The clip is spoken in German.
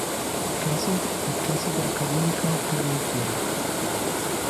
Klasse, die Klasse der Akademiker, gewählt wurde.